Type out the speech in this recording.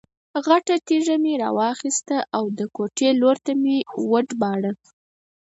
غټه تیږه مې را واخیسته او کوټې لور ته مې یې وډباړه.